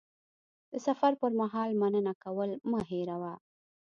د سفر پر مهال مننه کول مه هېروه.